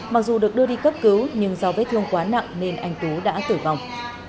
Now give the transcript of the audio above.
mặc dù được đưa đi cấp cứu nhưng do vết thương quá nặng nên anh tú đã tử vong